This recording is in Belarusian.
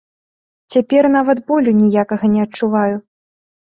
Цяпер нават болю ніякага не адчуваю!